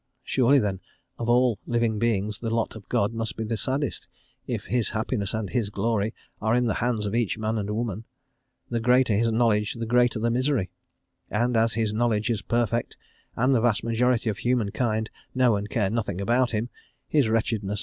Surely, then, of all living Beings the lot of God must be the saddest, if his happiness and his glory are in the hands of each man and woman; the greater his knowledge the greater the misery, and as his knowledge is perfect, and the vast majority of human kind know and care nothing about him, his wretchedness must be complete.